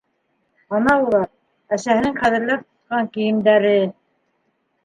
Ана улар, әсәһенең ҡәҙерләп тотҡан кейемдәре!